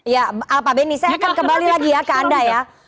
ya pak beni saya akan kembali lagi ya ke anda ya